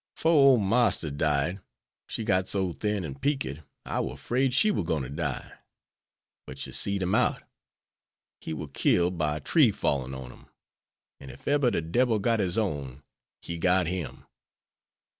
'Fore ole Marster died, she got so thin an' peaked I war 'fraid she war gwine to die; but she seed him out. He war killed by a tree fallin' on him, an' ef eber de debil got his own he got him.